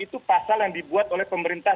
itu pasal yang dibuat oleh pemerintah